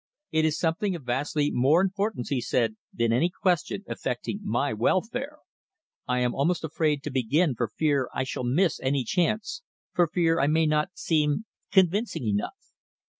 "It is something of vastly more importance," he said, "than any question affecting my welfare. I am almost afraid to begin for fear I shall miss any chance, for fear I may not seem convincing enough."